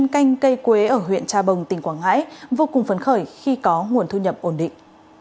canh cây quế ở huyện trà bồng tỉnh quảng ngãi vô cùng phấn khởi khi có nguồn thu nhập ổn định